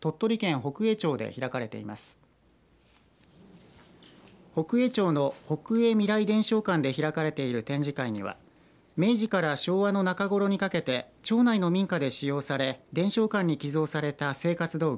北栄町の北栄みらい伝承館で開かれている展示会には明治から昭和の中頃にかけて町内の民家で使用され伝承館に寄贈された生活道具